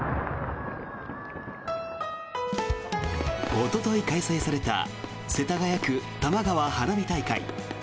おととい開催された世田谷区たまがわ花火大会。